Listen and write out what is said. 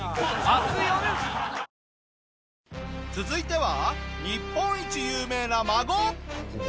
続いては日本一有名な孫！